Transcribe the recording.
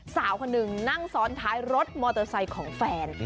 สาวคนหนึ่งนั่งซ้อนท้ายรถมอเตอร์ไซค์ของแฟน